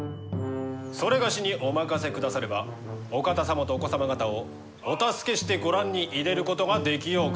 某にお任せくださればお方様とお子様方をお助けしてご覧に入れることができようかと。